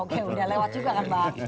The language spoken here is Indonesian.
oke udah lewat juga kan bang